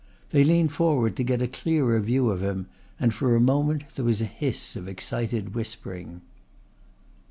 They leant forward to get a clearer view of him and for a moment there was a hiss of excited whispering.